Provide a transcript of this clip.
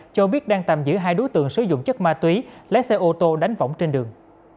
cho biết đang tạm giữ hai đối tượng sử dụng chất ma túy lái xe ô tô đánh vỏng trên đường